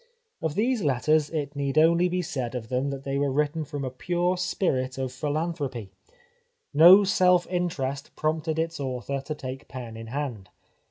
Of these letters it need only be said of them that they were written from a pure spirit of philanthropy. No self interest prompted its author to take pen in hand.